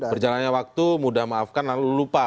berjalannya waktu mudah maafkan lalu lupa